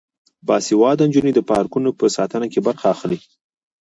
باسواده نجونې د پارکونو په ساتنه کې برخه اخلي.